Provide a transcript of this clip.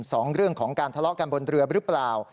สองเรื่องของการทะเลาะกันบนเรือหรือเปล่า